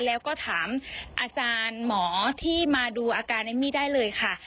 แล้วก็ถามอาจารย์หมอที่มาดูอาการเอมมี่ได้เลยค่ะ